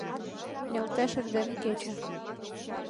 Нöлтеш эрдене кече –